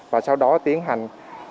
và sau đó tiến hành